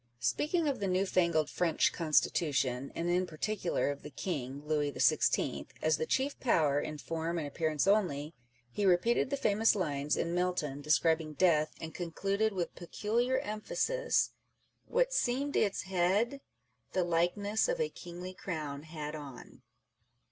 Speaking of the newfangled French Constitution, and in particular of the King (Louis XVI.) as the chief power in form and appearance only, he repeated the famous lines in Milton describing Death, and concluded with peculiar emphasis, What seemed its head, The likeness of a kingly crown had on.